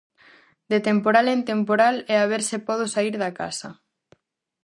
De temporal en temporal e a ver se podo saír da casa...